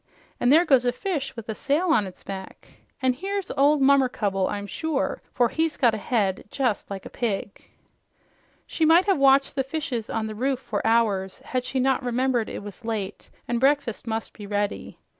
And there goes a fish with a sail on its back, an' here's old Mummercubble, I'm sure, for he's got a head just like a pig." She might have watched the fishes on the roof for hours, had she not remembered it was late and breakfast must be ready.